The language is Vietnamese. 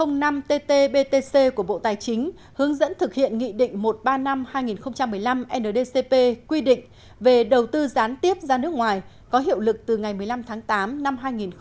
nghị định một trăm linh năm ttbtc của bộ tài chính hướng dẫn thực hiện nghị định một trăm ba mươi năm hai nghìn một mươi năm ndcp quy định về đầu tư gián tiếp ra nước ngoài có hiệu lực từ ngày một mươi năm tháng tám năm hai nghìn một mươi sáu